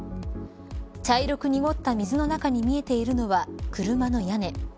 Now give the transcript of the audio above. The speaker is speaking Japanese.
茶色く濁った水の中に見えているのは車の屋根。